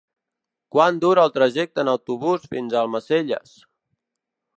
Quant dura el trajecte en autobús fins a Almacelles?